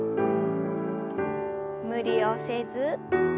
無理をせず。